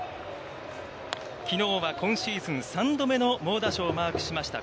きのうは今シーズン３度目の猛打賞をマークしました